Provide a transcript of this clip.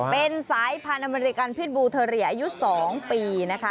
เป็นสายพันธุ์อเมริกันพิษบูเทอเรียอายุ๒ปีนะคะ